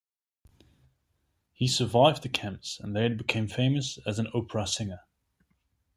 He survived the camps and later became famous as an opera singer.